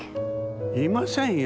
いませんよ。